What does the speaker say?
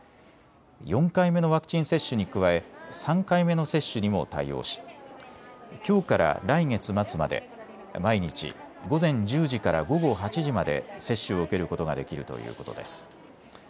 ４回目のワクチン接種に加え３回目の接種にも対応しきょうから来月末まで毎日、午前１０時から午後８時まで接種を受けることができるということです。